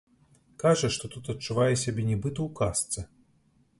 Кажа, што тут адчувае сябе нібыта ў казцы.